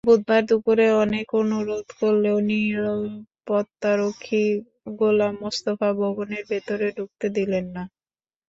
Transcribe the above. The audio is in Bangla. বুধবার দুপুরে অনেক অনুরোধ করলেও নিরপত্তারক্ষী গোলাম মোস্তফা ভবনের ভেতরে ঢুকতে দিলেন না।